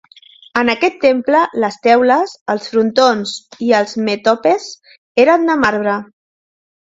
En aquest temple les teules, els frontons i les mètopes eren de marbre.